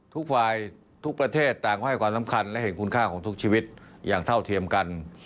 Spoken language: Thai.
ทุกฝ่ายทุกประเทศต่างก็ให้ความสำคัญและเห็นคุณค่าของทุกชีวิตอย่างเท่าเทียมกัน